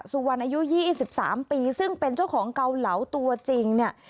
สุวรรณอายุ๒๓ปีซึ่งเป็นเจ้าของเกาเหลาตัวจริงเนี่ย